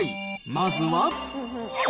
まずは。